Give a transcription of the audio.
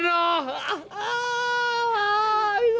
ini bukan berbunga